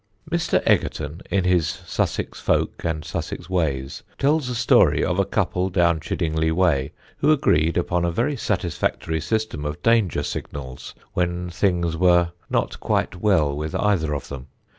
Mr. Egerton in his Sussex Folk and Sussex Ways tells a story of a couple down Chiddingly way who agreed upon a very satisfactory system of danger signals when things were not quite well with either of them.